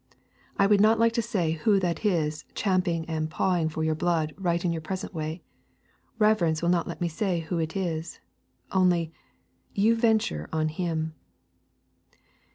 I would not like to say Who that is champing and pawing for your blood right in your present way. Reverence will not let me say Who it is. Only, you venture on Him.